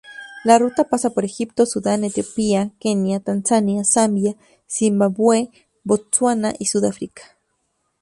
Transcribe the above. La ruta pasa por Egipto, Sudán, Etiopía, Kenia, Tanzania, Zambia, Zimbabue, Botsuana y Sudáfrica.